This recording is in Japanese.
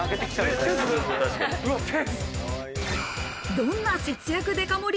どんな節約デカ盛り